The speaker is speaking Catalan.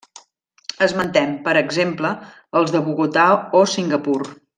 Esmentem, per exemple, els de Bogotà o Singapur.